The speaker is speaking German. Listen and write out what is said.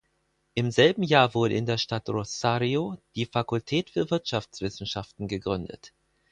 Im selben Jahr wurde in der Stadt Rosario die Fakultät für Wirtschaftswissenschaften gegründet.